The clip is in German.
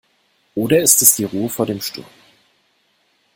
Oder ist es die Ruhe vor dem Sturm?